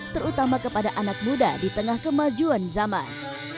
terutama kepada anak muda di tengah kemajuan zaman